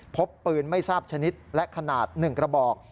พบปืนไม่ทราบชนิดและขนาด๑กระบอก